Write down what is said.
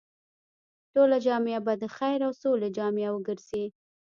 ټوله جامعه به د خير او سولې جامعه وګرځي.